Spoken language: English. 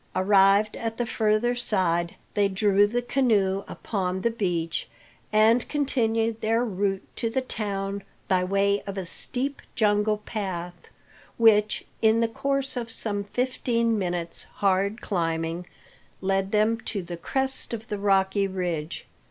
Arrived at the further side, they drew the canoe upon the beach, and continued their route to the town by way of a steep jungle path, which, in the course of some fifteen minutes' hard climbing, led them to the crest of the rocky ridge.